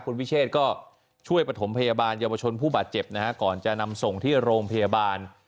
คุณวิเชษก็ช่วยประถมพยาบาลเยาวชนผู้บาดเจ็บนะฮะก่อนจะนำส่งที่โรงพยาบาล